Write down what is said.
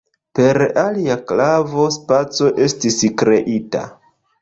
Per alia klavo spaco estis kreita.